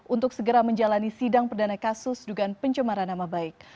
untuk segera menjalani sidang perdana kasus dugaan pencemaran nama baik